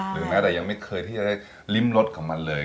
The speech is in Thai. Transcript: หรือด้วยยังไม่เคยที่ได้ริ้มรถของมันเลย